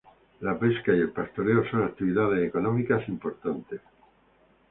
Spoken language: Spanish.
La pesca y el pastoreo son actividades económicas importantes.